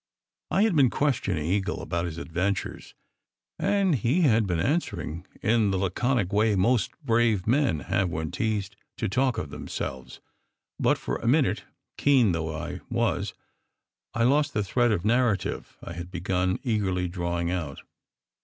I had been questioning Eagle about his adventures, and he had been answering in the laconic way most brave men have when teased to talk of themselves; but for a minute, keen though I was, I lost the thread of narrative I had begun eagerly drawing out.